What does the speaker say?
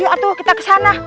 aduh kita ke sana